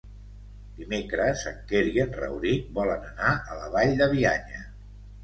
Dimecres en Quer i en Rauric volen anar a la Vall de Bianya.